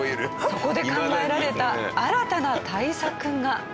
そこで考えられた新たな対策が。